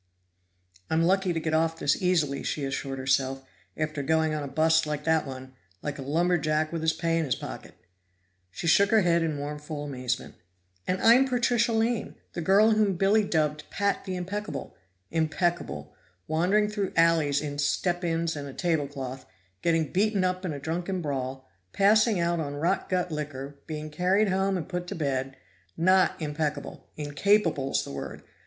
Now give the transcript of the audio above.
"I'm lucky to get off this easily," she assured herself, "after going on a bust like that one, like a lumberjack with his pay in his pocket." She shook her head in mournful amazement. "And I'm Patricia Lane, the girl whom Billy dubbed 'Pat the Impeccable'! Impeccable! Wandering through alleys in step ins and a table cloth getting beaten up in a drunken brawl passing out on rot gut liquor being carried home and put to bed! Not impeccable; incapable's the word!